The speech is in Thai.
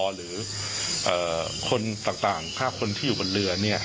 หรือคนต่าง๕คนที่อยู่บนเรือ